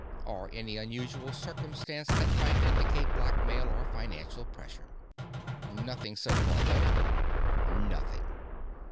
Or any unusual circumstance that might indicate blackmail or financial pressure." "Nothing so far, though?" "Nothing."